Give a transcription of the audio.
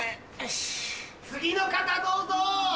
・次の方どうぞ！